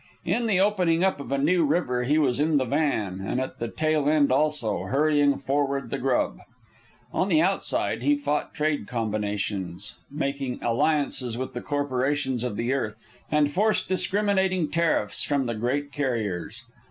In the opening up of a new river he was in the van; and at the tail end also, hurrying forward the grub. On the Outside he fought trade combinations; made alliances with the corporations of the earth, and forced discriminating tariffs from the great carriers.